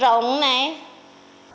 đi vô nhà mình